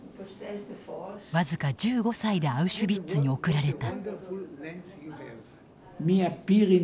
僅か１５歳でアウシュビッツに送られた。